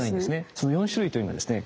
その４種類というのがですね